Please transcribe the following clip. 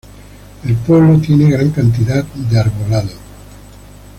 El pueblo tiene gran cantidad de arbolado.